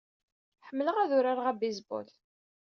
Ḥemmleɣ ad urareɣ abaseball.